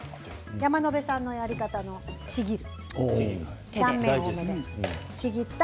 山野辺さんのやり方のちぎる。